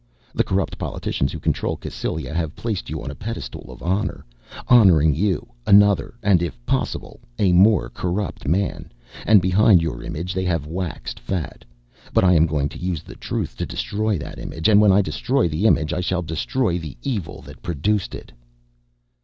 The corrupt politicians who control Cassylia have placed you on a pedestal of honor. Honoring you, another and if possible a more corrupt man, and behind your image they have waxed fat. But I am going to use the Truth to destroy that image, and when I destroy the image I shall destroy the evil that produced it."